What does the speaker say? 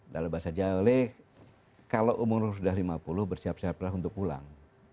dalam bahasa jawa kalau umur sudah lima puluh bersiap siaplah untuk pulang